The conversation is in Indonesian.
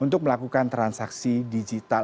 untuk melakukan transaksi digital